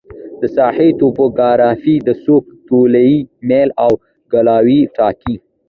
د ساحې توپوګرافي د سرک طولي میل او ګولایي ټاکي